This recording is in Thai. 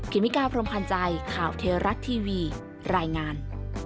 คิมิกาพรมคัญใจข่าวเทรารัตน์ทีวีรายงาน